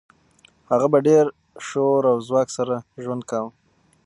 هغه په ډیر شور او ځواک سره ژوند کاوه